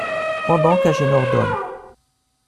Pendant qu’Agénor donne.